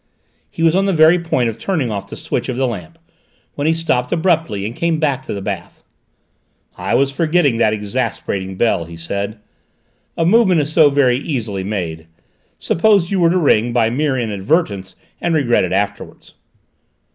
He was on the very point of turning off the switch of the lamp, when he stopped abruptly and came back to the bath. "I was forgetting that exasperating bell," he said. "A movement is so very easily made: suppose you were to ring, by mere inadvertence, and regret it afterwards?"